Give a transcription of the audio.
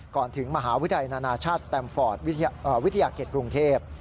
ก่อนถึงมหาวิทยาลัยนานาชาติสแตมฟอร์ตวิทยาเกตกรุงเทพ